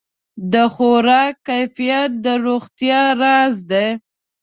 د خوراک کیفیت د روغتیا راز دی.